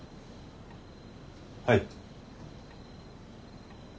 はい。